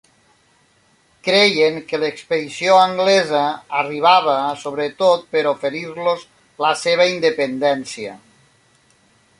Creien que l'expedició anglesa arribava sobretot per oferir-los la seva independència.